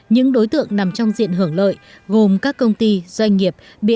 những đối tượng nằm trong diện hưởng lợi gồm các công ty doanh nghiệp